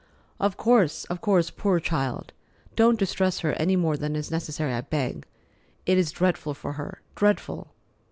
"Of course, of course—poor child! Don't distress her any more than is necessary, I beg. It is dreadful for her, dreadful!"